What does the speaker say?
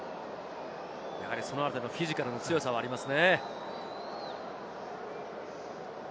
そのあたりのフィジカルの強さはありますね。